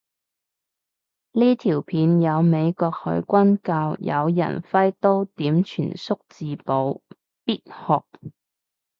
呢條片有美國海軍教有人揮刀點全速自保，必學